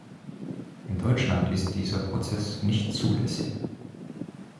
In Deutschland ist dieser Prozess nicht zulässig.